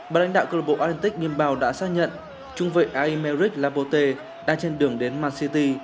bà lãnh đạo cơ lọc bộ atlantic bimbao đã xác nhận trung vệ aymeric lapote đang trên đường đến man city